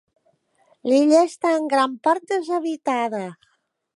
L'illa està en gran part deshabitada.